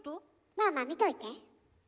まあまあ見といて。